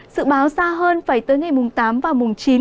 dự báo xa hơn phải tới ngày mùng tám và mùng chín